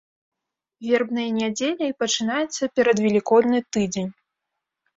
Вербнай нядзеляй пачынаецца перадвелікодны тыдзень.